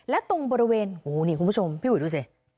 และตรงบริเวณโอ้โหนี่คุณผู้ชมพี่อุ๋ยดูสิ